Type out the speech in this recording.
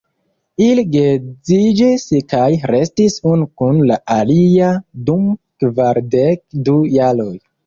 Ili geedziĝis kaj restis unu kun la alia dum kvardek-du jaroj.